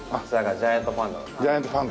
ジャイアントパンダ。